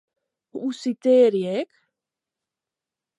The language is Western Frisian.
Hoe sitearje ik?